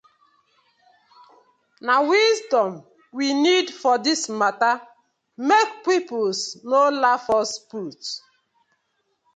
Na wisdom we need for dis matta mek pipus no laugh us put.